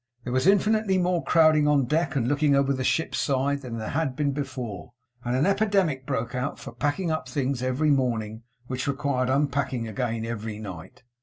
There was infinitely more crowding on deck and looking over the ship's side than there had been before; and an epidemic broke out for packing up things every morning, which required unpacking again every night.